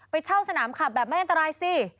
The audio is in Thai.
ไปเช่าสนามขับแบบไม่อันตรายสิ